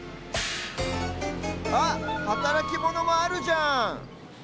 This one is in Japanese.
あっはたらきモノもあるじゃん！